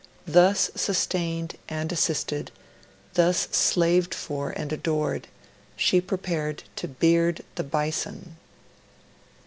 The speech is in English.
Thus sustained and assisted, thus slaved for and adored, she prepared to beard the Bison.